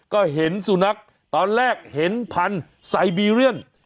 ก็เห็นสุนัขตอนแรกเห็นพันธุ์ไซบีเรียน